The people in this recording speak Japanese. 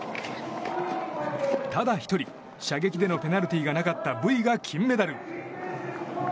ただ１人、射撃でのペナルティーがなかったブイが金メダル。